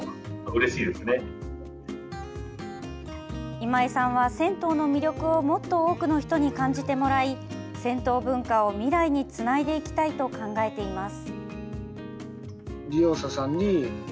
今井さんは、銭湯の魅力をもっと多くの人に感じてもらい銭湯文化を未来につないでいきたいと考えています。